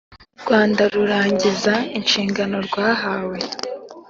rwanda rurangiza inshingano rwahawe,